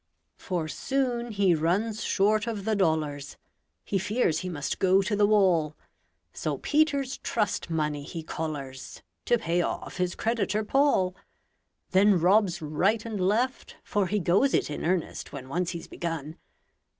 For soon he runs short of the dollars, He fears he must go to the wall; So Peter's trust money he collars To pay off his creditor, Paul; Then robs right and left for he goes it In earnest when once he's begun.